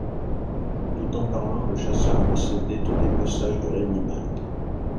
Tout en parlant, le chasseur procédait au dépeçage de l’animal.